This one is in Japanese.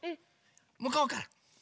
むこうから。